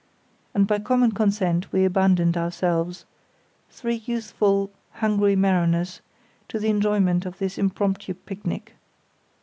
And by common consent we abandoned ourselves, three youthful, hungry mariners, to the enjoyment of this impromptu picnic.